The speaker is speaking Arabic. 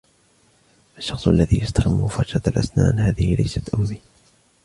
الشخص الذي يستخدم فرشاة الأسنان هذه ليس أمي.